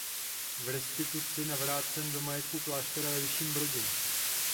V restituci navrácen do majetku kláštera ve Vyšším Brodě.